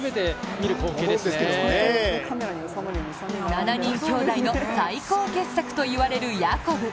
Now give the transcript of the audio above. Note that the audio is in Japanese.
７人きょうだいの最高傑作といわれるヤコブ。